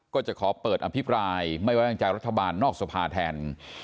ก็จะขอเปิดอภิปรายไม่ไว้วางใจรัฐบาลนอกสภาแทน